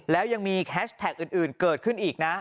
แล้วยังมีแฮชแท็กอื่นเกิดขึ้นอีกนะ